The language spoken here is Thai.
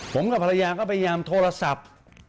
ผมกับภรรยาก็พยายามโทรศัพท์